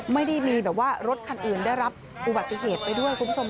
ไม่ได้มีแบบว่ารถคันอื่นได้รับอุบัติเหตุไปด้วยคุณผู้ชม